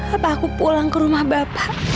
apa aku pulang ke rumah bapak